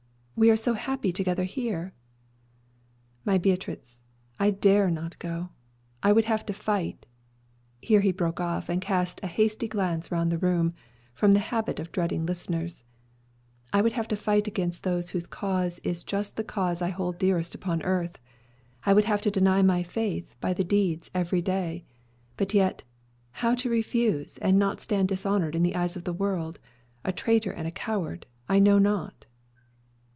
We are so happy together here." "My Beatriz, I dare not go. I would have to fight" (here he broke off, and cast a hasty glance round the room, from the habit of dreading listeners) "I would have to fight against those whose cause is just the cause I hold dearest upon earth, I would have to deny my faith by the deeds of every day. But yet, how to refuse and not stand dishonoured in the eyes of the world, a traitor and a coward, I know not."